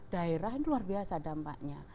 satu ratus satu daerah ini luar biasa dampaknya